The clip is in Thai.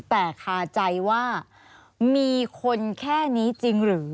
แต่คาใจว่ามีคนแค่นี้จริงหรือ